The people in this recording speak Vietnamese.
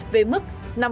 về mức năm năm